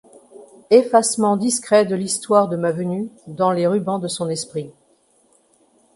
Effacement discret de l’histoire de ma venue dans les rubans de son esprit.